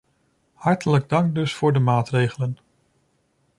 Hartelijk dank dus voor de maatregelen.